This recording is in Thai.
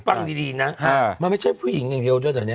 ฟังดีนะมันไม่ใช่ผู้หญิงอย่างเดียวด้วยตอนนี้